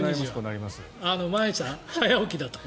毎朝、早起きだと。